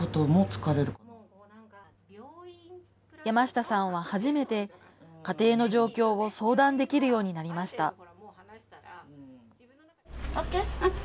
山下さんは初めて家庭の状況を相談できるようになりました。